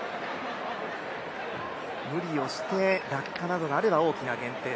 無理をして落下などがあれば大きな減点。